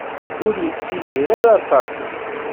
Ur yettidir ara aṭas.